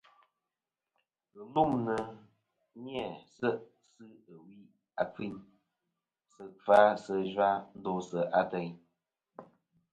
Ghɨlûmnɨ ni-a se' sɨ ɨwi a kfiyn sɨ kfa sɨ zha ndosɨ ateyn.